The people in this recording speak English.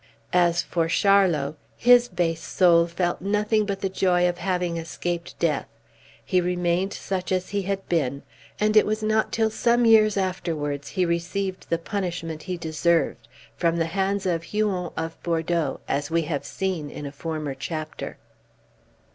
As for Charlot, his base soul felt nothing but the joy of having escaped death; he remained such as he had been, and it was not till some years afterwards he received the punishment he deserved, from the hands of Huon of Bordeaux, as we have seen in a former chapter.